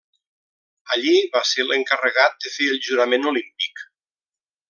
Allí va ser l'encarregat de fer el jurament olímpic.